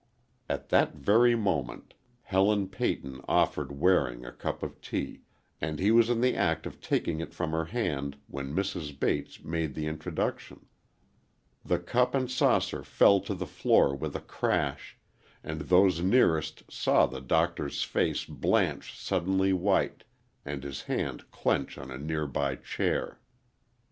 At that very moment Helen Peyton offered Waring a cup of tea, and he was in the act of taking it from her hand when Mrs. Bates made the introduction. The cup and saucer fell to the floor with a crash, and those nearest saw the Doctor's face blanch suddenly white, and his hand clench on a nearby chair.